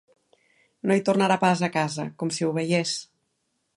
No hi tornarà pas, a casa: com si ho veiés!